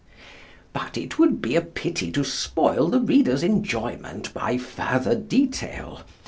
But it would be a pity to spoil the reader's enjoyment by further detail.